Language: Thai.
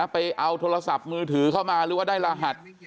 ไปเอาโทรศัพท์มือถือเข้ามาหรือว่าได้รหัส